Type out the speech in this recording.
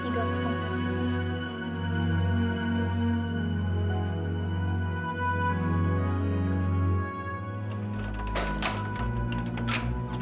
tidak ada seseorang